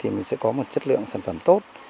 thì mình sẽ có một chất lượng sản phẩm tốt